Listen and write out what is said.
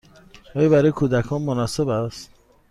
آیا برای کودکان مناسب است؟